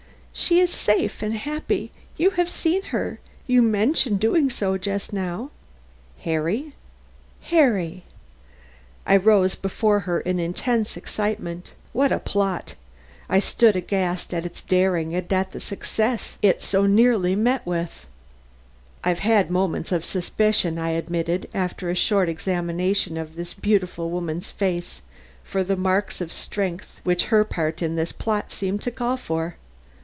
"She is safe and happy. You have seen her; you mentioned doing so just now." "Harry?" "Harry." I rose before her in intense excitement. What a plot! I stood aghast at its daring and the success it had so nearly met with. "I've had moments of suspicion," I admitted, after a short examination of this beautiful woman's face for the marks of strength which her part in this plot seemed to call for.